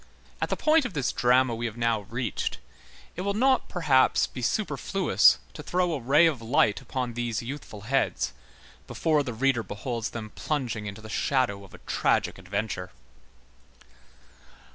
At the point of this drama which we have now reached, it will not perhaps be superfluous to throw a ray of light upon these youthful heads, before the reader beholds them plunging into the shadow of a tragic adventure.